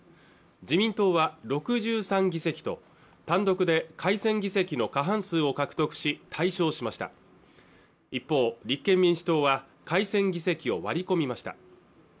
自民党は６３議席と単独で改選議席の過半数を獲得し大勝しました一方立憲民主党は改選議席を割り込みました